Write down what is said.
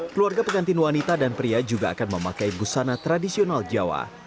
keluarga pengantin wanita dan pria juga akan memakai busana tradisional jawa